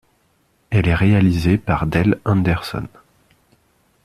Elle est réalisée par Dell Henderson.